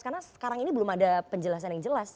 karena sekarang ini belum ada penjelasan yang jelas